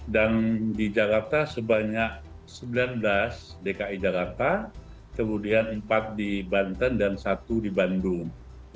dan di jakarta sebanyak sembilan belas dki jakarta kemudian empat di banten dan satu di bandung